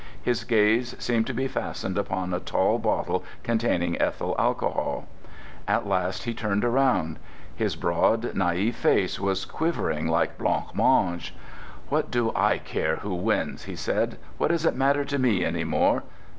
His gaze seemed to be fastened upon a tall bottle containing ethyl alcohol. At last he turned round. His broad, naïve face was quivering like blanc mange. "What do I care who wins?" he said. "What does it matter to me any more?